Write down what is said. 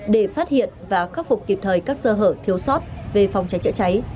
để phát hiện và khắc phục kịp thời các sơ hở thiếu sót về phòng cháy chữa cháy